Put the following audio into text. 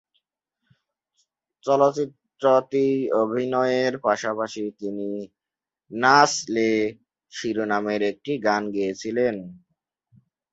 চলচ্চিত্রটি অভিনয়ের পাশাপাশি তিনি "নাচ লে" শিরোনামের একটি গান গেয়েছিলেন।